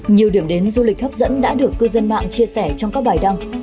nhiều điểm đến du lịch hấp dẫn đã được cư dân mạng chia sẻ trong các bài đăng